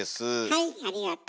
はいありがと。